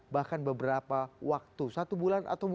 bahkan beberapa tahun lalu